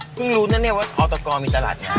เพิ่งรู้นะเนี่ยว่าออตกอร์มีตลาดน้ำ